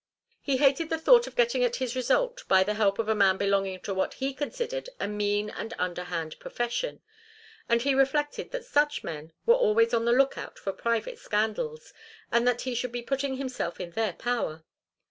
He hated the thought of getting at his result by the help of a man belonging to what he considered a mean and underhand profession; and he reflected that such men were always on the lookout for private scandals, and that he should be putting himself in their power.